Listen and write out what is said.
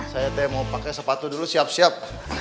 saya mau pakai sepatu dulu siap siap